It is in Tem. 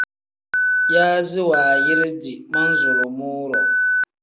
Yaazi wanyiridi manzulumuu-ro.